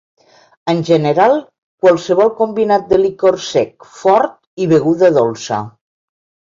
En general, qualsevol combinat de licor sec fort i beguda dolça.